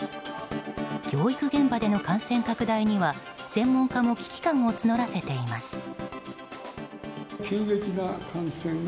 教育現場での感染拡大には専門家も危機感を募らせています。